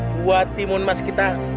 buah timun mas kita